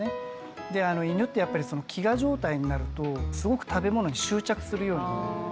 犬ってやっぱり飢餓状態になるとすごく食べ物に執着するようになるんですね。